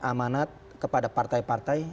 amanat kepada partai partai